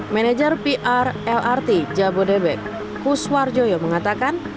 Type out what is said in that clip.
manager pr lrt jabodebek kuswar joyo mengatakan